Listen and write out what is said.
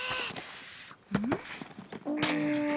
うん？